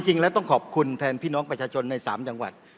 จริงแล้วต้องขอบคุณแทนพี่น้องประชาชนใน๓จังหวัด